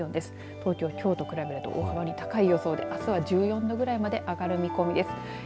東京、きょうと比べると大幅に高い予想で朝１４度くらいまで上がる見込みです。